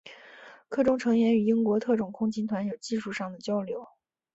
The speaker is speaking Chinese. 课中成员与英国特种空勤团有技术上的交流。